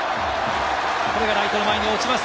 ライトの前に落ちます。